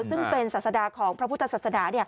ซึ่งเป็นศาสดาของพระพุทธศาสนา